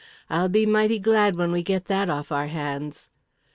"I'll be mighty glad when we get that off our hands."